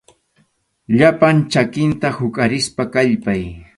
Llapan chakinta huqarispa kallpay.